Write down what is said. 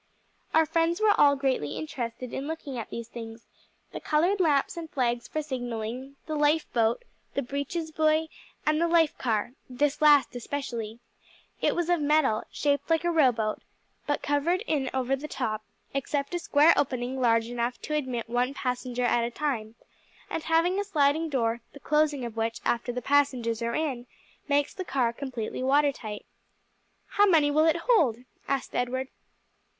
Our friends were all greatly interested in looking at these things the colored lamps and flags for signalling, the life boat, the breeches buoy and the life car this last especially: it was of metal, shaped like a row boat, but covered in over the top, except a square opening large enough to admit one passenger at a time, and having a sliding door, the closing of which, after the passengers are in, makes the car completely water tight. "How many will it hold?" asked Edward.